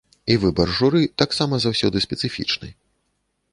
І выбар журы таксама заўсёды спецыфічны.